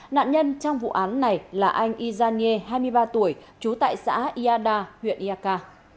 nạn nhân trong vụ án này là anh isanie hai mươi ba tuổi chú tại xã iada huyện iaka